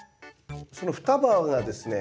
その双葉がですね